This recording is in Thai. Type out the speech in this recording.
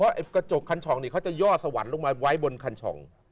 เพราะกระจกคัญฉองนี่เขาจะยอดสวรรค์ลงมาไว้บนคัญฉอง